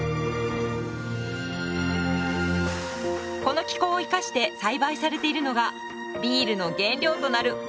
この気候を生かして栽培されているのがビールの原料となるホップ。